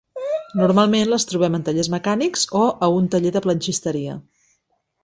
Normalment les trobem en tallers mecànics o a un taller de planxisteria.